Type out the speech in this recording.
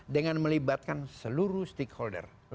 dengan melibatkan seluruh stakeholder